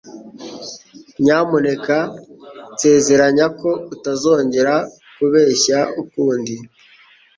Nyamuneka nsezeranya ko utazongera kubeshya ukundi